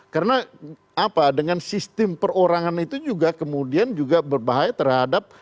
karena apa dengan sistem perorangan itu juga kemudian juga berbahaya terhadap